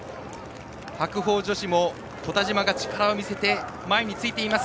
白鵬女子も古田島が力を見せて前についています。